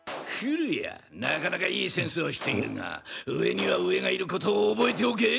なかなかいいセンスをしているが上には上がいることを覚えておけ！